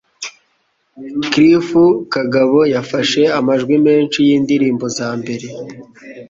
Cliff Kagabo yafashe amajwi menshi yindirimbo za mbere